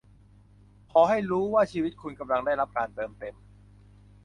ขอให้รู้ว่าชีวิตคุณกำลังได้รับการเติมเต็ม